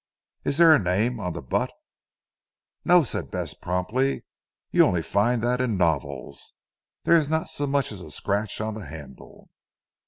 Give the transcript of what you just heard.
Is there a name on the butt?" "No," said Bess promptly, "you only find that in novels. There is not so much as a scratch on the handle."